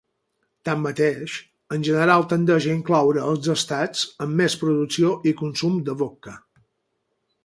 Tanmateix, en general tendeix a incloure els estats amb més producció i consum de vodka.